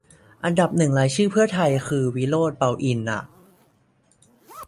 อันดับหนึ่งรายชื่อเพื่อไทยคือ วิโรจน์ เปาอินทร์ อะ